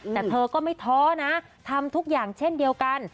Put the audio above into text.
แต่เธอก็ไม่ท้อนะทำทุกอย่างเช่นเดียวกัน